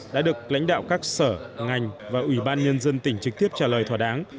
đã được lãnh đạo các sở ngành và ubnd tỉnh trực tiếp trả lời thỏa đáng